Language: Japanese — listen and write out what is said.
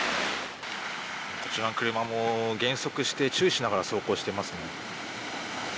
こちらの車も減速して注視しながら走行していますね。